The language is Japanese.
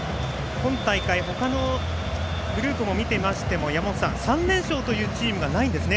今大会、他のグループを見ていましても山本さん、３連勝というチームがないんですね。